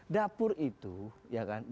dapur itu ya kan